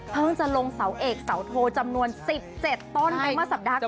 จะลงเสาเอกเสาโทจำนวน๑๗ต้นไปเมื่อสัปดาห์ก่อน